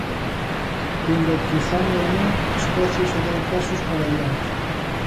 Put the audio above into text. Aínda que gane o non, Escocia xa deu pasos para adiante.